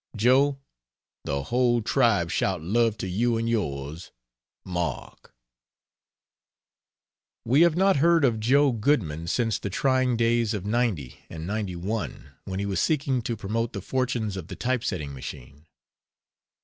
Joe, the whole tribe shout love to you and yours! MARK. We have not heard of Joe Goodman since the trying days of '90 and '91, when he was seeking to promote the fortunes of the type setting machine.